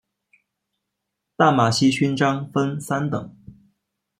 淡马锡勋章分三等。